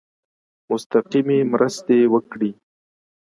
مستقیمي مرستي وکړي.